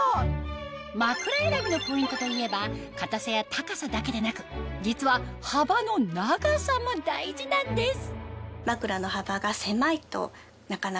まくら選びのポイントといえば硬さや高さだけでなく実は幅の長さも大事なんです